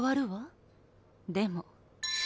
でも。